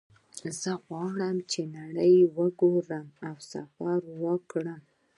زه غواړم چې نړۍ وګورم او سفرونه وکړم